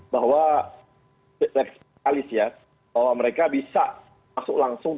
bahwa spesialis ya bahwa mereka bisa masuk langsung